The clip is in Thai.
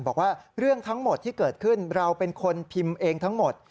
บอกว่าเรื่องทั้งหมดที่เกิดขึ้นเราเป็นคนพิมพ์เองทั้งหมด